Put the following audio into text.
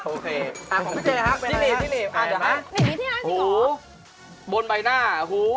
ของพี่เจ๊ครับเป็นอะไรนะครับแฟร์อ่ะเดี๋ยวฮะหูบนใบหน้าหู